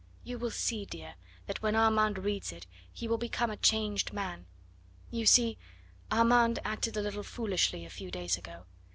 You will see, dear, that when Armand reads it he will become a changed man; you see, Armand acted a little foolishly a few days ago.